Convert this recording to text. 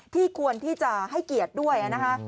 ควรที่จะให้เกียรติด้วยนะคะ